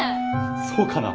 そうかな？